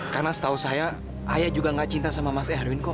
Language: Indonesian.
karena setahu saya ayah juga gak cinta sama mas erwin kok